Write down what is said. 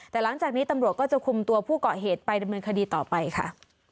แต่หลังจากนี้ตำรวจก็จะคุมตัวผู้เกาะเหตุไปดำเนินคดีต่อไปค่ะ